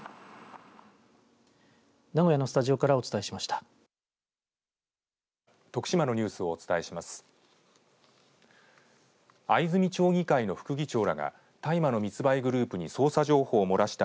名古屋のスタジオからお伝えしました。